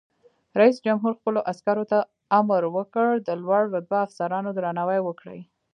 رئیس جمهور خپلو عسکرو ته امر وکړ؛ د لوړ رتبه افسرانو درناوی وکړئ!